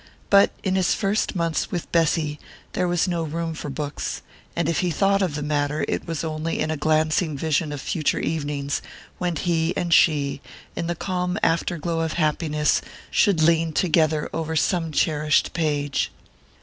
But in his first months with Bessy there was no room for books, and if he thought of the matter it was only in a glancing vision of future evenings, when he and she, in the calm afterglow of happiness, should lean together over some cherished page.